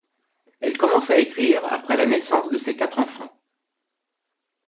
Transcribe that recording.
Elle commence à écrire après la naissance de ses quatre enfants.